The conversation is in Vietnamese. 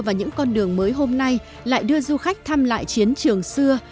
và những con đường mới hôm nay lại đưa du khách thăm lại chiến trường xưa